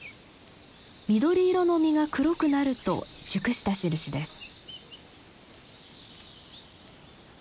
緑色の実が黒くなると熟したしるしです。